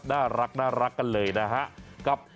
ฮ่ามากเคิล